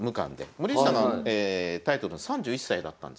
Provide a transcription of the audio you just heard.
森内さんはタイトル３１歳だったんですよ。